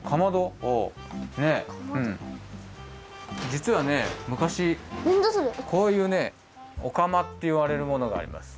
じつはね昔こういうねおかまっていわれるものがあります。